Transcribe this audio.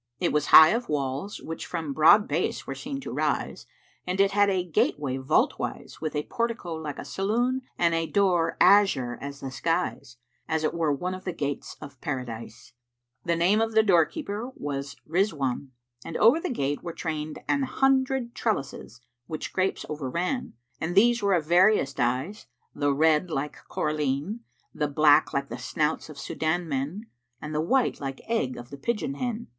It was high of walls which from broad base were seen to rise; and it had a gateway vault wise with a portico like a saloon and a door azure as the skies, as it were one of the gates of Paradise: the name of the door keeper was Rizwán,[FN#379] and over the gate were trained an hundred trellises which grapes overran; and these were of various dyes, the red like coralline, the black like the snouts of Súdán[FN#380] men and the white like egg of the pigeon hen.